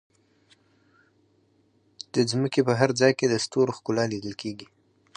د ځمکې په هر ځای کې د ستورو ښکلا لیدل کېږي.